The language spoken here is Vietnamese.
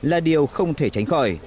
là điều không thể tránh khỏi